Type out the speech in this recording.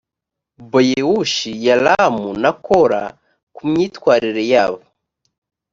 boyewushi yalamu na kora kumyitwarire yabo